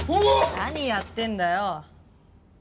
何やってんだよ